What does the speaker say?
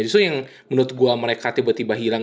justru yang menurut gue mereka tiba tiba hilang